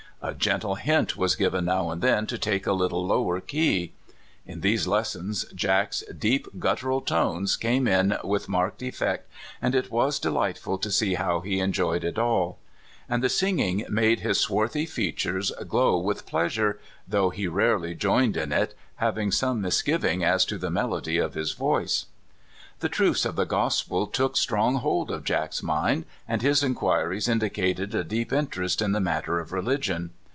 A gentle hint was given now and then to take a little lower key. In these lessons Jack's deep guttural tones came in with marked effect, and it was de lightful to see how he enjoyed it all. And the singing made his swarthy features glow with pleas JACK WHITE. 187 ure, though he rarely joined in it, having some misgiving as to the melody of his voice. The truths of the gospel took strong hold of Jack's mind, and his inquiries indicated a deep in terest in the matter of religion.